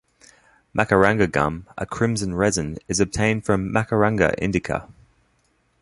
Macaranga gum, a crimson resin, is obtained from "Macaranga indica".